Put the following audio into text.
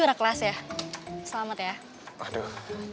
salah deh salah deh